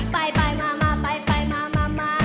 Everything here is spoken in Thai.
ไปไปมามาไปไปมามามา